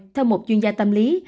theo một chuyên gia tâm lý